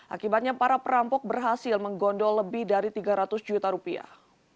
akibatnya para perampok berhasil menggondol lebih dari tiga ratus juta rupiah